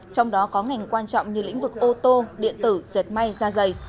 trong đó có ngành quan trọng như lĩnh vực ô tô điện tử dệt may da dày